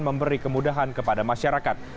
memberi kemudahan kepada masyarakat